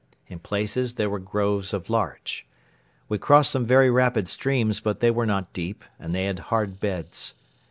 In places there were groves of larch. We crossed some very rapid streams but they were not deep and they had hard beds.